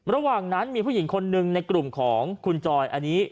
ระหว่างนั้นมีผู้หญิงคนหนึ่งในกลุ่มของคุณจอยอันนี้